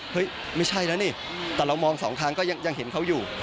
ไม่ใช่แล้วนี่แต่เรามองสองทางก็ยังเห็นเขาอยู่